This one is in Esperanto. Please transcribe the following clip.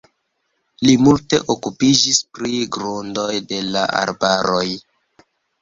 Li multe okupiĝis pri grundoj de la arbaroj.